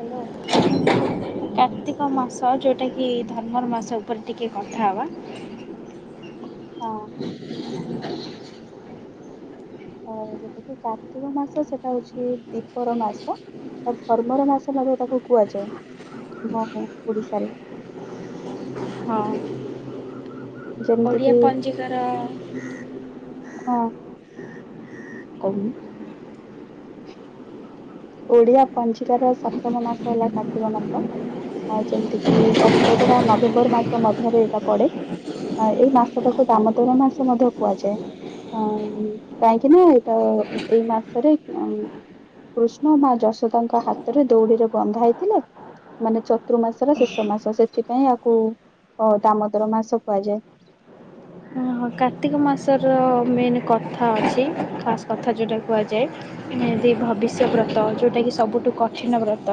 Hello. Kartik ମାସ ଯେଉଟାକି ଧର୍ମର ମାସ ଉପରେ ଟିକେ କଥା ହେବା। ହଁ,। ଅ ଯେଉଟା କିି କାର୍ତ୍ତିକ ମାସ ସେଟା ହଉଛି ଦୀପି। ପର ମାସ ବା ଧର୍ମର ମାସ ମଧ୍ୟ ତାକୁ କୁହାଯାଏ ହଁ ହଁ ଓଡିଶାରେ। ହଁ ଯେମିତି କିି ଓଡ଼ିଆ ପଞ୍ଜିକାର। ହଁ,। କୋହୁନୁ। ଓଡିଆ ପଞ୍ଜିକାର ସପ୍ତମ ମାସ ହେଲା କାର୍ତ୍ତିକ ମାସ। ଆଉ ଯେମତି ଯେ ଅକ୍ଟୋବର ଆଉ ନଭେମ୍ବର ମାସ ମଧ୍ୟରେ ଏଇଟା ପଡ଼େ। ହଁ ଏଇ ମାସଟାକୁ ଦାମୋଦର ମାସ ମଧ୍ୟ କୁହାଯାଏ। ହଁ କାହିଁକି ନା ଏଇଟ ଏଇ ମାସରେଅଁ। କୃଷ୍ଣ ମା ଯଶୋଦାଙ୍କ ହାତରେ ଦୌଡିରେ ବନ୍ଧା ହେଇଥିଲେ। ମାନେ ଚତୁର୍ ମାସର ଶେଷ ମାସ ସେଥିପାଇଁ ଆକୁ ଅ ଦାମୋଦର ମାସ କୁହାଯାଏ। ହଁ କାର୍ତ୍ତିକ ମାସର ମେନ୍ କଥା ଅଛି ଖାସ୍ କଥା ଯେଉଁଟା କୁହାଯାଏ। ନେ ଦେଇ ଭବିଷ୍ୟ ବ୍ରତ ଯେଉଁଟାକି ସବୁଠୁ କଠିନ ବ୍ରତ।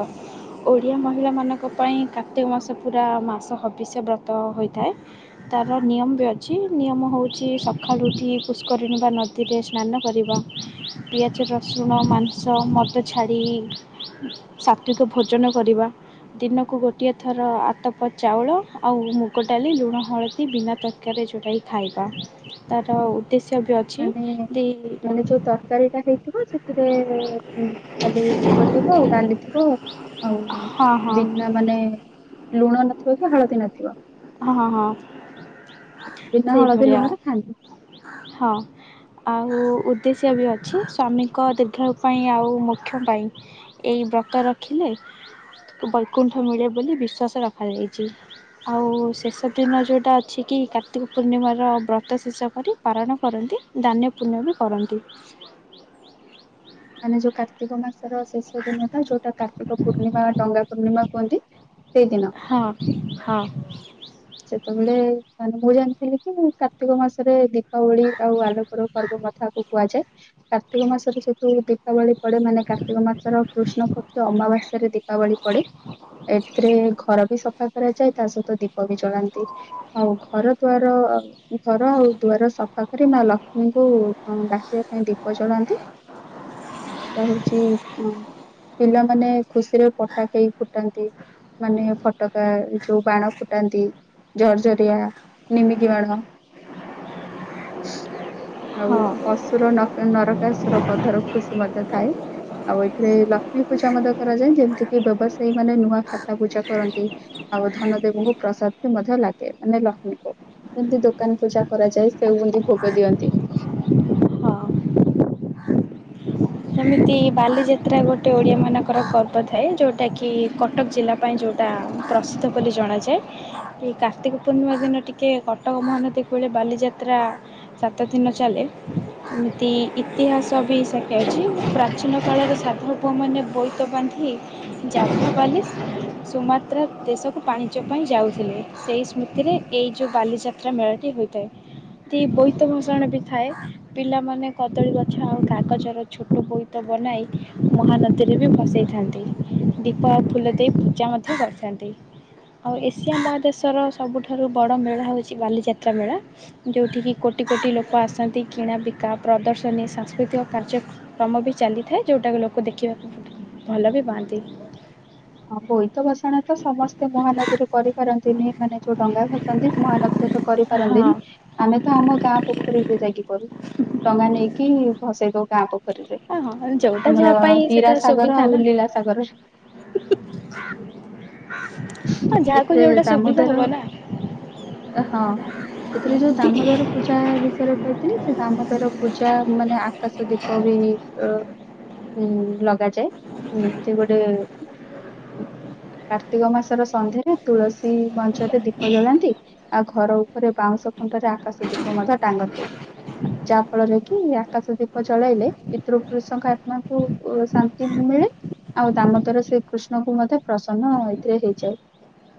ଓଡ଼ିଆ ମହିଳାମାନଙ୍କ ପାଇଁ କାର୍ତ୍ତିକ ମାସ ପୁରା ମାସ ହବିଷ୍ୟବ୍ରତ ହୋଇଥାଏ। ତାର ନିୟମ ବି ଅଛି। ନିୟମ ହେଉଛି ସକାଳୁ ଉଠି ପୁଷ୍କରିଣୀ ବା ନଦୀରେ ସ୍ନାନ କରିବା। ପିଆଚର ଶୁଣ ମାଂସ ମଦ ଛାଡ଼ି ସାତ୍ଵିକ ଭୋଜନ କରିବା। ଦିନକୁ ଗୋଟିଏ ଥର ଆତପ ଚାଉଳ ଆଉ ମୁଗ ଡାଲି ଲୁଣ ହଳଦୀ ବିନା ତ ଆକାରେ ଯୋଉଟାକି ଖାଇବା ତାର ଉଦ୍ଦେଶ୍ୟ ବି ଅଛି ମାନେ ଦେଇ ମାନେ ଯୋଉ ତରକାରୀ ଟା ହେଇଥିବ ସେଥିରେ ଏ। ଉଁ ଖାଲି ମୁଗ ଥିବ ଆଉ ଡାଲି ଥିବ ଆଉ ହଁ ହଁ ବିନା ତା ମାନେ ଲୁଣ ନ ଥିବ କି ହଳଦୀ ନଥିବ ହଁ ହଁ ବିନା ହଳଦୀ ସେଇଭଳିଆ ଲୁଣରେ ଖାଆନ୍ତି। ହଁ। ଆଉ ଉଦ୍ଦେଶ୍ୟ ବି ଅଛି ସ୍ଵାମୀଙ୍କ ଦୀର୍ଘାୟୁ ପାଇଁ ଆଉ ମୁଖ୍ୟ ପାଇଁ। ଏଇ ବ୍ରତ ରଖିଲେ ବୈକୁଣ୍ଠ ମିଳେ ବୋଲି ବିଶ୍ୱାସ ରଖାଯାଇଚି। ଆଉ ଶେଷ ଦିନ ଯୋଉଟା ଅଛି କି କାର୍ତ୍ତିକ ପୂର୍ଣ୍ଣିମାର ବ୍ରତ ଶେଷ କରି ପାରଣ କରନ୍ତି ଦାନ୍ୟ ପୁଣ୍ୟ ବି କରନ୍ତି। ମାନେ ଯୋଉ କାର୍ତ୍ତିକ ମାସର ଶେଷ ଦିନ ଯୋଉଟା କାର୍ତ୍ତିକ ପୂର୍ଣ୍ଣିମା ଡଙ୍ଗା ପୂର୍ଣ୍ଣିମା କୁଅନ୍ତି ସେଇଦିନ। ହଁ ହଁ [inaudible] ସେତେବେଳେ ମାନେ ମୁଁ ଜାଣିଥିଲି କି କାର୍ତ୍ତିକ ମାସରେ ଦୀପାବଳି ଆଉ ଆଲୋକର ପର୍ବ କଥାକୁ। କୁହାଯାଏ କାର୍ତ୍ତିକ ମାସରେ ଯେତୁ ଦୀପାବଳି ପଡେ ମାନେ କାର୍ତ୍ତିକ ମାସର କୃଷ୍ଣ ପକ୍ଷ ଅମାବାସ୍ୟାରେ ଦୀପାବଳି ପଡେ। ଏଥିରେ ଘର ବି ସଫା କରାଯାଏ ତା ସହିତ ଦି ଦୀପ ବି ଜଳାନ୍ତି ଆଉ ଘର ଦୁଆର ଘର ଦୁଆର ସଫା ଆରେ ନମା ନଂସ ନା କିନ୍ତୁ ଡାକିଆ ପାଇଁ ଦୀପ ଜଳାନ୍ତି। ଏଇଟା ହଉଚି ଅ ପିଲାମାନେ ଖୁସିରେ ପଟା କେଇ ଫୁଟାନ୍ତି। ମାନେ ଫଟକା ଯୋଉ ବାଣ ଫୁଟାନ୍ତି। ଝର୍ଝରିଆ, ନିମିକି ବାଣ ହଁ ଯୋଉ ଅସୁର ନକା ନରକାସୁର ବଧର ଖୁସି ମଧ୍ୟ ଥାଏ। ଆଉ ଏଥିରେ ଲକ୍ଷ୍ମୀ ପୂଜା ମଧ୍ୟ କରାଯାଏ ଯେମିତି କିି ବ୍ୟବସାୟୀ ମାନେ ନୂଆ ଖାତା ପୂଜା କରନ୍ତି। ଆଉ ଧନଦେବଙ୍କୁ ପ୍ରସତି ମଧ୍ୟ ଲାଗେ ମାନେ ଲକ୍ଷ୍ମୀକୁ। ଏମତି ଦୋକାନ ପୂଜା କରାଯାଏ ସେଉ ବୁନ୍ଦୀ ଭୋଗ ଦିଅନ୍ତି। ହଁ। ଯେମିତି ବାଲିଯାତ୍ରା ଗୋଟେ ଓଡିଆ ମାନଙ୍କର ପର୍ବ ଥାଏ ଯୋଉଟା କି କଟକ ଜିଲ୍ଲା ପାଇଁ ଯୋଉଟା ପ୍ରସିଦ୍ଧ ବୋଲି ଜଣାଯାଏ। ଏ କାର୍ତ୍ତିକ ପୂର୍ଣ୍ଣିମା ଦିନ ଟିକେ କଟକ ମହାନଦୀକୁ ବେଳେ ବାଲିଯାତ୍ରା ସାତ ଦିନ ଚାଲେ ଏମିତି ଇତିହାସ ବି ସଖୀ ଅଛି। ପ୍ରାଚୀନ କାଳରେ ସାଧବ ପୁଅମାନେ ବୋଇତ ବାନ୍ଧି ଜାତିବାଲି ସୁମାତ୍ରା ଦେଶକୁ ପାଣିଜ୍ୟ ପାଇଁ ଯାଉଥିଲେ ସେହି ସ୍ମୃତିରେ ଏଇ ଯୋଉ ବାଲିଯାତ୍ରା ମେଳା ଟି ହୋଇଥାଏ। ତି ବୋଇତ ଭସାଣ ବି ଥାଏ ପିଲାମାନେ କଦଳୀ ଗଛ ଆଉ କାଗଜର ଛ ବୋଇତ ବନାଇ ମହାନଦୀରେ ବି ଭସେଇଥାନ୍ତି ଦୀପ ଫୁଲ ଦେଇ ପୂଜା ମଧ୍ୟ କରିଥାନ୍ତି। ଆଉ ଏସିଆ ମହାଦେଶର ସବୁଠାରୁ ବଡ଼ ମେଳା ହେଉଚି ବାଲିଯାତ୍ରା ମେଳା। ଯଉଠିକି କୋଟି କୋଟି ଲୋକ ଆସନ୍ତି କିଣାବିକା, ପ୍ରଦର୍ଶନୀ, ସାଂସ୍କୃତିକ କାର୍ଯ୍ୟ କ୍ରମ ବି ଚାଲିଥାଏ ଯୋଉଟା କି ଲୋକ ଦେଖିବାକୁ ଭଲ ବି ପାଆନ୍ତି। ହଁ ବୋଇତ ବସାଣ ତ ସମସ୍ତେ ମହାନଦୀରେ କରିପାରନ୍ତିନି ମାନେ ଯୋଉ ଡଙ୍ଗା ଭସାନ୍ତି ମହାନଦୀରେ ତ କରିପାରନ୍ତିନି। ହଁ ଆମେ ତ ଆମ ଗାଁ ପୋଖରୀରେ ଯାଇକି କରୁ ଡଙ୍ଗା ନେଇକି ଭସେଇ ଦଉ ଗାଁ ପୋ ରିରେ ହଁ ହଁ ଯୋଉଟା ଆମର ଯାହା ହୀରା ସାଗର ଆଉ ଲୀଳା ସାଗର ହୁ ହୁ ହୁ ଆ ଯାହାକୁ ଏଥିରେ ଯୋଉଟା ସୁବିଧା ହବ ନା। ଆ ହଁ। ଏଥିରେ ଯୋଉ ଦାମୋଦର ପୂଜା ବିଷୟରେ କହିଥିଲି ସେ ଦାମୋଦର ପୂଜା ମାନେ ଆକାଶ ଦୀପ ବି ଅ ହୁଁ ଲଗାଯାଏ ଏମତି ଗୋଟେ କାର୍ତ୍ତିକ ମାସର ସନ୍ଧ୍ୟାରେ ତୁଳସୀ ମଞ୍ଚରେ ଦୀପ ଜଳାନ୍ତି। ଆଉ ଘର ଉପରେ ବାଉଁଶ ଖୁଣ୍ଟରେ ଆକାଶ ଦୀପ ମଧ୍ୟ ଟାଙ୍ଗନ୍ତି। ଆ ଯାଆ ଫଳରେ କି ଆକାଶ ଦୀପ ଜଳାଇଲେ ପିତୃ ପୁରୁଷଙ୍କ ଆତ୍ମାକୁ ଶାନ୍ତି ମିଳେ। ଆଉ ଦାମତର ଶ୍ରୀକୃଷ୍ଣ ଙ୍କୁ ମଧ୍ୟ ପ୍ରସନ୍ନ ଏଥିରେ ହେଇଯାଏ।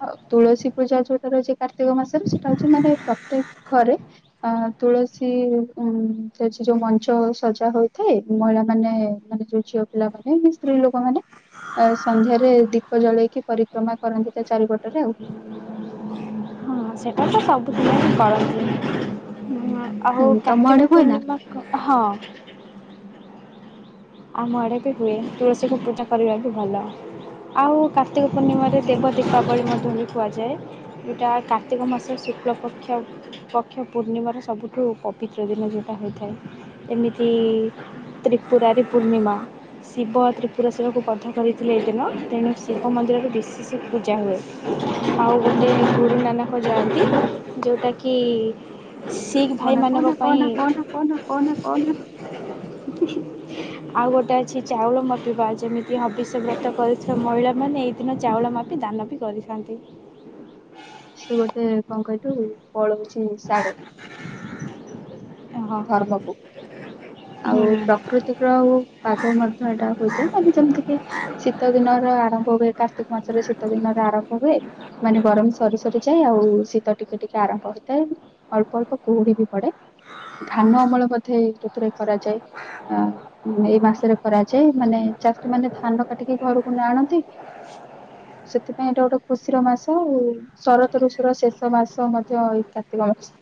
ଆଉ ତୁଳସୀ ପୂଜା ଯୋଉଟା ରହିଛି କାର୍ତ୍ତିକ ମାସରେ ସେଇଟା ହଉଛି ମାନେ ପ୍ରତ୍ୟେକ ଘରେ ଅ ତୁଳସୀ ଉ ଯ ଯୋଉ ମଞ୍ଚ ସଜା ହୋଇଥାଏ ମହିଳା ମାନେ ମାନେ ଯୋଉ ଝିଅ ପିଲାମାନେ ସ୍ତ୍ରୀ ଲୋକମାନେ ଅ ସନ୍ଧ୍ୟାରେ ଦୀପ ଜଳେଇକି ପରିକ୍ରମା କରନ୍ତି ତା ଚାରିପଟରେ ଆଉ। ହଁ ସେଇଟା ତ ସବୁ [unintelligible] ଆଉ ହୁଁ ତମ ଆଡେ କାର୍ତ୍ତିକ ହୁଏ ନା ପୂର୍ଣ୍ଣିମା ହଁ। ଆମ ଆଡ଼େ ବି ହୁଏ ତୁଳସୀକୁ ପୂଜା କରିବା ବି ଭଲ। ଆଉ କାର୍ତ୍ତିକ ପୂର୍ଣ୍ଣିମାରେ ଦେବ ଦୀପାବଳି ମଧ୍ୟ ବି କୁହାଯାଏ। ଏଇଟା କାର୍ତ୍ତିକ ମାସ ଶୁକ୍ଲପକ୍ଷ ପକ୍ଷ ପୂର୍ଣ୍ଣିମାର ସବୁଠୁ ପବିତ୍ର ଦିନ ଯେଉଁଟା ହୋଇଥାଏ। ଏମିତି ତ୍ରିପୁରାରୀ ପୂର୍ଣ୍ଣିମା। ଶିବ ତ୍ରିପୁରସ୍ୱରକୁ ବଧ କରିଥିଲେ ଏ ଦିନ ତେଣୁ ଶିବ ମନ୍ଦିରରେ ବିଶେଷ ପୂଜା ହୁଏ। ଆଉ ଗୋଟେ ଗୁରୁ ନାନକ ଯାଆନ୍ତି ଯୋଉଁଟା କିି ଶିଖ୍ ଭାଇମାନଙ୍କ ପାଇଁ କଣ କଣ? ଆଉ ଗୋଟେ ଅଛି ଚାଉଳ ମାପିବା ଯେମିତି ହବିଷ୍ୟ ବାତ କରିଥିବା ମହିଳାମାନେ ଏଇ ଦିନ ଚାଉଳ ମାପି ଦାନ ବି କରିଥାନ୍ତି। ସେ ଗୋଟେ କଣ କହିହଠୁ ପଳଉଛି ସାଢରେ। [inaudible] ଧର୍ମକୁୁ। ଆଉ ହୁଁ ପ୍ରକୃତିକୁ ଆଉ ପାଗ ମଧ୍ୟ ଏଇଟା ହୋଇଥାଏ ମାନେ ଯେମିତି କି ଶୀତ ଦିନର ଆରମ୍ଭ ହୁଏ କାର୍ତ୍ତିକ ମାସର ଶୀତ ଦିନର ଆରମ୍ଭ ହୁଏ। ମାନେ ଗରମ ସରି ସରିଯାଏ ଆଉ ଶୀତ ଟିକେ ଟିକେ ଆରମ୍ଭ ହେଇଥାଏ। ଅଳ୍ପ ଅଳ୍ପ କୁହୁଡି ବି ପଡେ। ଧାନ ଅମଳ ବୋଧେ ଏଇ ଋତୁରେ କରାଯାଏ। ଆ ଏଇ ମାସରେ କରାଯାଏ ମାନେ ଚାଷୀ ମାନେ ଧାନ କାଟିକି ଘରକୁ ଆଣନ୍ତି। ସେଥିପାଇଁ ଏଇଟା ଗୋଟେ ଖୁସିର ମାସ ଆଉ। ଶରତ ଋଷୁର ଶେଷ ମାସ ମଧ୍ୟ ଏଇ କାର୍ତ୍ତିକ ମାସ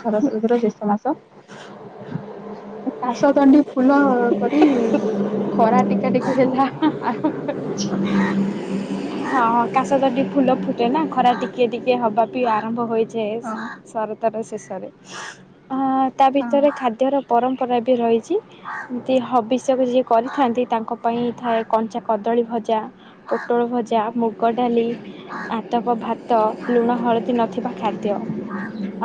ଶରତ ଋଷୁର ଶେଷ। ପଣସ ମାସ କାଶ ତଣ୍ଡି ଫୁଲ ପରି ଖରା ଟିକା ଟିକେ ହେଲା ଆରମ୍ଭ କରିଛି। ହ କାଶ ତ ଟିକେ ଫୁଲ ଫୁଟେ ନା ଖରା ଟିକେ ଟିକେ ହବା ବିି ଆରମ୍ଭ ହୋଇଯାଏ। ହଁ ଶରତାର ଶେଷରେ ଅ ତା ହଁ ଭିତରେ ଖାଦ୍ୟର ପରମ୍ପରା ବି ରହିଛି। ଏମିତି ହବିଷ୍ୟକ ଯିଏ କରିଥାନ୍ତି ତାଙ୍କ ପାଇଁ ଥାଏ କଞ୍ଚା କଦଳୀ ଭଜା। ପୋଟଳ ଭଜା ମୁଗ ଡଲି ଆତପ ଭାତ ଲୁଣ ହଳଦୀ ନଥିବା ଖାଦ୍ୟ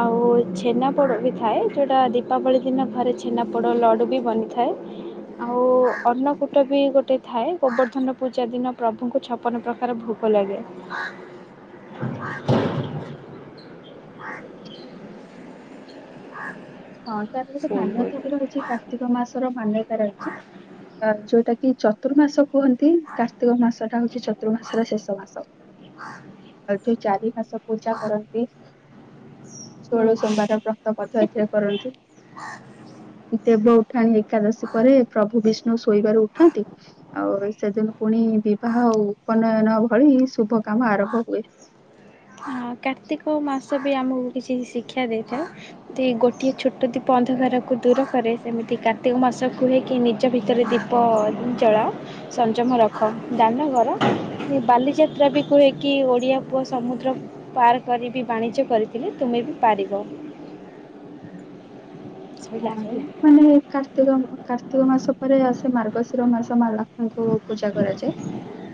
ଆଉ ଛେନାପୋଡ ବି ଥାଏ ଯୋଉଟା ଦୀପାବଳି ଦିନ ଘରେ ଛେନା ପୋଡ ଲଡୁ ବି ବନିଥାଏ। ଥାଏ। ଆଉ ଅନ୍ନ କୂଟ ବି ଗୋଟେ ଥାଏ ଗୋବର୍ଦ୍ଧନ ପୂଜା ଦିନ ପ୍ରଭୁଙ୍କୁ ଛପନ ପ୍ରକାର ଭୋ ଲାଗେ। [inaudible] [inaudible] ହଁ ତାର ଗୋଟେ ମାନ୍ୟତା ବି ରହିଛି କାର୍ତ୍ତିକ ମାସର ମାନ୍ୟତାର ଅଛି। ଅ ଯୋଉଟା କି ଚତୁର୍ମାସ କୁହନ୍ତି କାର୍ତ୍ତିକ ମାସ ଟା ହଉଛି ଚତୁର୍ମାସର ଶେଷ ମାସ ଆଉ ଯୋଉ ଚାରି ମାସ ପୂଜା କରନ୍ତି। ଷୋହଳ ସୋମବାର ବ୍ରତ ମଧ୍ୟ ଏଥିରେ କରନ୍ତି। ଦେବ ଉଠାଣି ଏକାଦଶୀ ପରେ ପ୍ରଭୁ ବିଷ୍ଣୁ ଶୋଇବାରୁ ଉଠନ୍ତି। ଆଉ ସେଦିନ ପୁଣି ବିବାହ ଉପନୟନ ଭଳି ଶୁଭ କାମ ଆରମ୍ଭ ହୁଏ। ହଁ କାର୍ତ୍ତିକ ମାସ ବି ଆମକୁ କିଛି ଶିକ୍ଷା ଦେଇଥାଏ। ଯଦି ଗୋଟିଏ ଛୋଟ ଦୀପ ଅନ୍ଧାରକୁ ଦୂର କରେ। ସେମିତି କାର୍ତ୍ତିକ ମାସ କୁହେ କିି ନିଜ ଭିତରେ ଦୀ ପ ଜଳାଅ ସଂଯମ ରଖ ଦାନ କର। ବାଲିଯାତ୍ରା ବି କୁହେକି ଓଡିଆ ପୁଅ ସମୁଦ୍ର ପାର କରି ବି ବାଣିଜ୍ୟ କରିଥିଲେ ତୁମେ ବି ପାରିବ। ସଇଲା କରିମି ସଇଲା। [unintelligible] ମାନେ କା କର୍ତ୍ତିକ ଉଁ ଉଁ କାର୍ତ୍ତିକ ମାସ ପରେ ଆସେ ମାର୍ଗଶିର ମାସ ମା ଲକ୍ଷ୍ମୀଙ୍କୁ ପୂଜା କରାଯାଏ।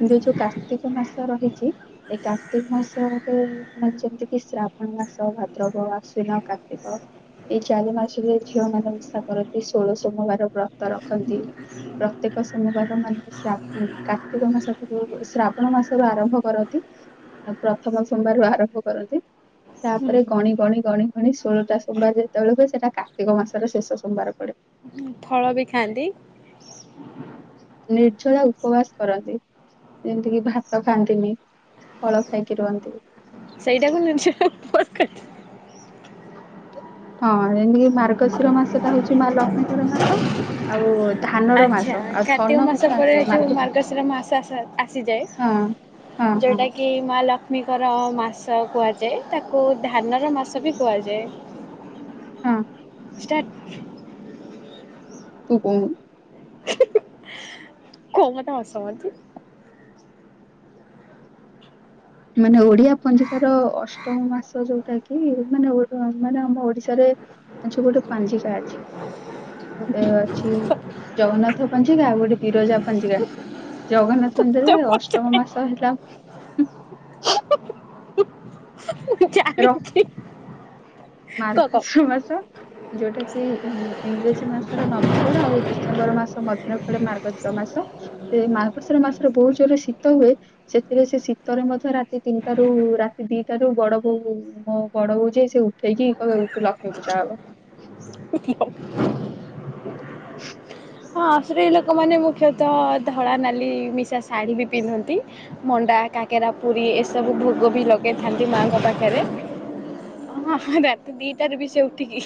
କିନ୍ତୁ ଏଇ ଯୋଉ କାର୍ତ୍ତିକ ମାସ ରହିଚି। ଏ କାର୍ତ୍ତିକ ମାସରେ ମାନେ ଯେମିତି କି ଶ୍ରାବଣ ମାସ ଭାଦ୍ରବ, ଆଶ୍ଵିନ, କାର୍ତ୍ତିକ ଏଇ ଚାରି ମାସରେ ଝିଅ ମାନେ ଓଶା କରନ୍ତି। ଷୋଳ ସୋମବାର ବ୍ରତ ରଖନ୍ତି। ବ୍ର ପ୍ରତ୍ୟେକ ସୋମବାର ମାନେ ଶ୍ରା କାର୍ତ୍ତିକ ମାସ ଠାରୁ ଶ୍ରାବଣ ମାସରୁ ଆରମ୍ଭ କରନ୍ତି। ଆଉ ପ୍ରଥମ ସୋମବାରୁ ଆ ରମ୍ଭ କରନ୍ତି। ତାପରେ ଗଣି ଗଣି ଗଣି ଗଣି ଷୋଳଟା ସୋମବାର ଯେତବେଳେ ହୁଏ। ସେଟା କା କାର୍ତ୍ତିକ ମାସର ଶେଷ ସୋମବାର ପଡେ। ହୁଁ ଫଳ ବି ଖାଆନ୍ତି। ନିର୍ଜଳା ଉପବାସ କରନ୍ତି। ଯେମିତି କିି ଭାତ ଖାଆନ୍ତିନି ଫଳ ଖାଇକି ରୁହନ୍ତି। ସେଇଟାକୁ ନିର୍ଜଳା ଉପବାସ [unintelligible] ହଁ ଯେମିତିକି ମାର୍ଗଶିର ମାସଟା ହୋଉଚି ମା ଲକ୍ଷ୍ମୀଙ୍କର ମାସ। ଆଉ ଧାନର ଆଚ୍ଛା ମାସ ଆଉ କାର୍ତ୍ତିକ ଧନ ମାସ ମଧ୍ୟ ପରେ ଆସିବ। ଯୋଉ ମାର୍ଗ ମାର୍ଗଶିର ମାସ ଆସ ହଁ ହଁ ହଁ। କି ମା ଲକ୍ଷ୍ମୀଙ୍କର ମାସ କୁହାଯାଏ ତାକୁ ଧାନର ମାସ ବି କୁହାଯାଏ। ହଁ। ଷ୍ଟାଟ ତୁ କୋଉନୁ। କୁଅ [unintelligible] ମତେ ହସ ମାଡୁଚି। ମାନେ ଓଡିଆ ପଞ୍ଜିକାର ଅଷ୍ଟମ ମାସ ଯୋଉଟା କି ମାନେ ଓଡ ମାନେ ଆମ ଓଡିଶାରେ ଆଚ୍ଛା ଗୋଟେ ପାଞ୍ଜିକା ଅଛି। ଗୋଟେ ଅଛି ଜଗନ୍ନାଥ ପାଞ୍ଜିକା ଆଉ ଗୋଟେ ବିରଜା ପାଞ୍ଜିକା ଜଗନ୍ନାଥ ତତେ ମନ୍ଦିରରେ ଅଷ୍ଟମ ପଚାରେ ମାସ ହେଲା। ମୁଁ ର ଜାଣିଚି। [unintelligible] କହ କହ। ମାର୍ଗଶିର ମାସ ଯୋଉଟା କି ଇ ଇଂରେଜୀ ମାସର ନଭେମ୍ବର ଆଉ ଡିସେମ୍ବର ମାସ ମଧ୍ୟରେ ପଡେ ମାର୍ଗଶିର ମାସ। ଏ ମାର୍ଗଶିର ମାସରେ ବୋହୁତ ଜୋରରେ ଶୀତ ହୁଏ। ସେଥିରେ ସେ ଶୀତରେ ମଧ୍ୟ ରାତି ତିନିଟାରୁ ରାତି ଦିଇଟାରୁ ବଡ ବୋଉ ମୋ ବଡ ବୋଉ ଯିଏ ସେ ଉଠେଇକି କହିବେ ଉଠୁ ଲକ୍ଷ୍ମୀ ପୂଜା ହବ। [unintelligible] ହଁ ସ୍ତ୍ରୀ ଲୋକମାନେ ମୁଖ୍ୟତଃ ଧଳା ନାଲି ମିଶା ଶାଢୀ ବି ପିନ୍ଧନ୍ତି। ମଣ୍ଡା କାକେରା ପୁରୀ ଏସବୁ ଭୋଗ ବି ଲଗେଇଥାନ୍ତି ମାଆଙ୍କ ପାଖରେ। ହଁ ରାତି ଦିଟାରୁ ବି ସେ ଉଠିକି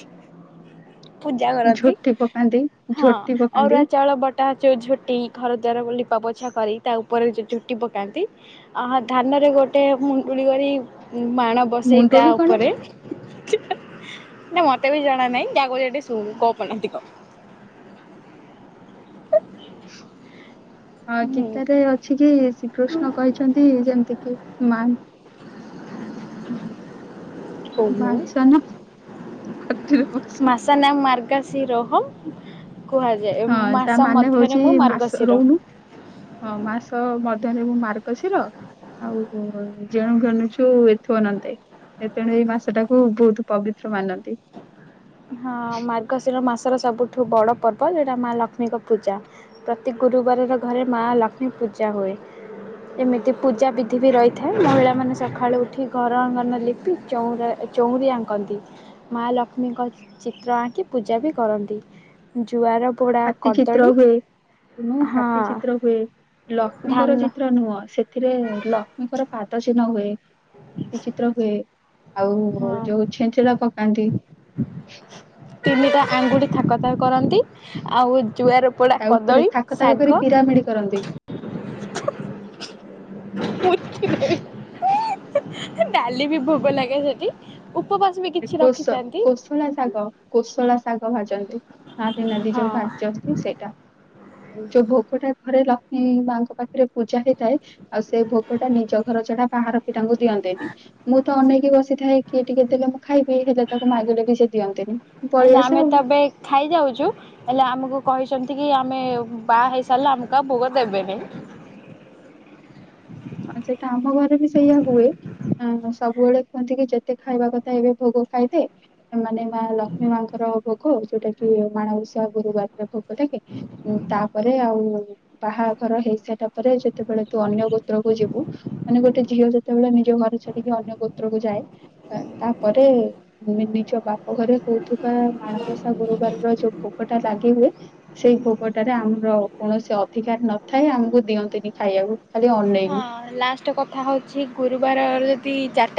ପୂଜା କରନ୍ତି ଝୋଟି ପକାନ୍ତି ହଁ। ଝୋଟି ପକାନ୍ତି ଅରୁଆ ଚାଉଳ ବଟା ଯୋଉ ଝୋଟି ଘର ଦ୍ୱାର ବୋ ଲିପାପୋଛା କରି ତା ଉପରେ ଯୋ-ଯୋଉ ଝୋଟି ପକାନ୍ତି। ଅଁ, ହଁ ଧାନରେ ଗୋଟେ ମୁଣ୍ଡୁଳି କରି, ମାଣ ବସେଇ ତା ମୁଣ୍ଡଳି କଣ ଉପରେ ନା, ମତେ ବି ଜଣା ନାହିଁ। ଯାହା କହୁଚି, ଏଠି ଶୁଣୁ ଗପ ନା ଏତିକ। [unintelligible] ହଁ, ଗୀତାରେ ଅଛି ଯେ ଶ୍ରୀକୃଷ୍ଣ କହିଛନ୍ତି, ଯେମିତି କି ମାଁ ହୁଁ ମାଛ ନା, ପାଟିରେ ପଶୁନି। ସନା ମାର୍ଗା ସିରୋହଂ କୁହାଯାଏ। ହଁ, ତା ମାସ ମାନେ ମଧ୍ୟରେ ହଉଛି, ମୁଁ ମାସ ମାର୍ଗଶିର। ରହୁନୁ। ହଁ, ମାସ ମଧ୍ୟରେ ମୁଁ, ମାର୍ଗଶିର ଆଉ ଯେଣୁ ଘେନୁଛୁ, ଏଥୁ ଅନନ୍ତେ। ଏ, ତେଣୁ ଏଇ ମାସ ଟାକୁ ବହୁତ୍ ପବିତ୍ର ମାନନ୍ତି। ହଁ, ମାର୍ଗଶିର ମାସର ସବୁଠୁ ବଡ ପର୍ବ, ଯଉଟା ମା ଲକ୍ଷ୍ମୀଙ୍କ ପୂଜା। ପ୍ରତି ଗୁରୁବାରର ଘରେ, ମା ଲକ୍ଷ୍ମୀ ପୂଜା ହୁଏ। ଏମିତି ପୂଜାବିଧି ବି ରହିଥାଏ। ମହିଳାମାନେ ସଖାଳୁ ଉଠି ଘର ଆଙ୍ଗନ ଲିପି, ଚଉଁରା ଚଉଁରୀ ଆଙ୍କନ୍ତି, ମା ଲକ୍ଷ୍ମୀଙ୍କ ଚିତ୍ର ଆଙ୍କି ପୂଜା ବି କରନ୍ତି। ଜୁଆର ପୋଡ଼ା କଦଳୀ ନୁ ହାତୀ ହଁ ଚିତ୍ର ହୁଏ, ଲକ୍ଷ୍ମୀଙ୍କର ଧାନ ଚିତ୍ର ନୁହଁ। ସେତ୍ ଥିରେ ଲକ୍ଷ୍ମୀଙ୍କର ପାଦ ଚିହ୍ନ ହୁଏ। ବି ଚିତ୍ର ହୁଏ, ଆଉ ହଁ ଯୋଉ ଛେଞ୍ଚେଟା ପକାନ୍ତି। ତିନିଟା ଆଙ୍ଗୁଠି ଥାକଥାକ କରନ୍ତି। ଆଉ, ଜୁଆର ପୋଡା ତା ଉପରେ କଦଳୀ, ଥାକ ଥାକ କରି ଶାଗ। ପିରାମିଡ କରନ୍ତି ଡାଲି ବି ଭୋଗ ଲାଗେ ସେଠି, ଉପବାସ ବି କିଛି ରଖିଥାନ୍ତି। ଉଳା ଶାଗ, କୋଶଳା ଶାଗ ଭାଜନ୍ତି, ନାଲି ନାଲି ଯୋଉ ହଁ ଭାଜନ୍ତି, ସେଇଟା। ଆଉ ଯୋଉ ଭୋଗ ଟା ଘରେ ଲକ୍ଷ୍ମୀ ମାଙ୍କ ପାଖରେ ପୂଜା ହେଇଥାଏ। ଆଉ, ସେ ଭୋଗଟା ନିଜ ଘର ଛଡା ବାହାର ପିଠାଙ୍କୁ ଦିଅନ୍ତିନି। ମୁଁ ତ ଅନେଇକି ବସିଥାଏ, କିଏ ଟିକେ ଦେଲେ ଖାଇ ବି ହେଲେ, ତାକୁ ମାଗଲେ ବି ସେ ଦିଅନ୍ତିନି। ପଳେଇ ଆମେ ଆସେ ଆଉ। ତ ଏବେ ଖାଇ ଯାଉଚୁ। ହେଲେ ଆମକୁ କହିଛନ୍ତି କି, ଆମେ ବାହା ହେଇ ସାରିଲେ, ଆମକୁ ଆଉ ଭୋଗ ଦେବେନି? ହଁ, ସେଇଟା ଆମ ଘରେ ବି ସେଇଆ ହୁଏ। ହଁ ସବୁବେଳେ କୁହନ୍ତି, କି ଯେତେ ଖାଇବା କଥା ଏବେ ଭୋଗ ଖାଇଦେ। ଏମାନେ ମା ଲକ୍ଷ୍ମୀ ମାଁ ଙ୍କର ଭୋଗ, ଯୋଉଟା କି ମାଣ ବଷା ଗୁରୁବାରରେ ସତେକି, ତା'ପରେ ଆଉ-ଉ ବାହାଘର ହେଇସାରିଲା ପରେ, ଯେତେବେଳେ ତୁ ଅନ୍ୟ ଗୋତ୍ ଗୋତ୍ରକୁ ଯିବୁ, ମାନେ ଗୋଟେ ଝିଅ ଯେତେବେଳେ ନିଜ ଘର ଛାଡିକି ଅନ୍ୟ ଗୋତ୍ରକୁ ଯାଏ। ତା'ପରେ ମି ନିଜ ବାପ୍ ଓ ଘରେ ହଉଥୁବା ମାଣବସା ଗୁରୁବାରର ଯୋଉ ଭୋଗଟା ଲାଗି ହୁଏ। ସେଇ ଭୋଗଟାରେ ଆମର କୌଣସି ଅଧିକାର ନଥାଏ। ଆମକୁ ଦିଅନ୍ତିନି ଖାଇଆକୁ। ଖାଲି ଅନେଇବୁ। ହଁ, ଲାଷ୍ଟ କଥା ହଉଛି, ଗୁରୁବାର ଯଦି ଚାରଟା